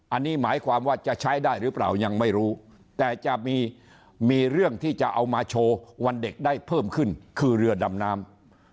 อันนี้หมายความว่าจะใช้ได้หรือเปล่ายังไม่รู้แต่จะมีมีเรื่องที่จะเอามาโชว์วันเด็กได้เพิ่มขึ้นคือเรือดำน้ำ